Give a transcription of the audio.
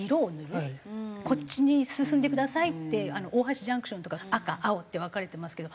こっちに進んでくださいって大橋ジャンクションとか赤青って分かれてますけど。